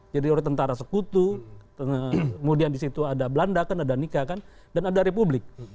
oleh tentara sekutu kemudian di situ ada belanda kan ada nika kan dan ada republik